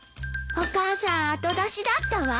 お母さん後出しだったわ。